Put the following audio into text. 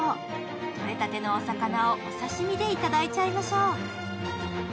取れたてのお魚をお刺身で頂いちゃいましょう。